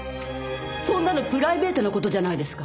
そんなのプライベートな事じゃないですか。